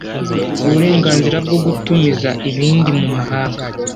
uburenganzira bwo gutumiza ibindi mu mahanga